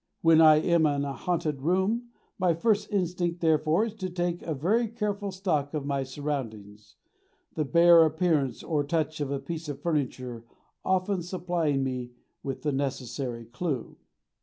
When I am in a haunted room, my first instinct, therefore, is to take a very careful stock of my surroundings; the bare appearance or touch of a piece of furniture often supplying me with the necessary clue.